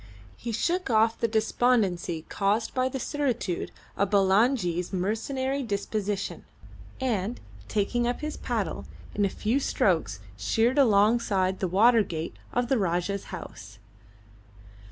He shook off the despondency caused by the certitude of Bulangi's mercenary disposition, and, taking up his paddle, in a few strokes sheered alongside the water gate of the Rajah's house.